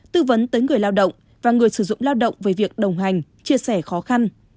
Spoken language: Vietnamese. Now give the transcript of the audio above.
tư vấn tới người lao động và người sử dụng lao động về việc đồng hành chia sẻ khó khăn